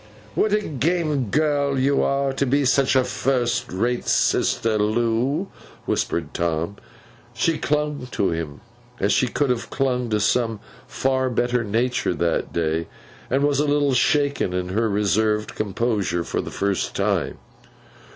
'What a game girl you are, to be such a first rate sister, Loo!' whispered Tom. She clung to him as she should have clung to some far better nature that day, and was a little shaken in her reserved composure for the first time.